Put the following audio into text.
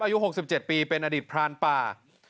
อายุ๖๗ปีเป็นอดิทธิ์พลานป่า